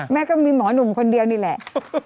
ก็มีหมอหนุ่มคนเดียวนี่แหละ